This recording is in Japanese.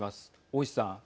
大石さん。